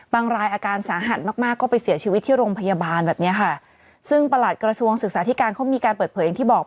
รายอาการสาหัสมากมากก็ไปเสียชีวิตที่โรงพยาบาลแบบเนี้ยค่ะซึ่งประหลัดกระทรวงศึกษาธิการเขามีการเปิดเผยอย่างที่บอก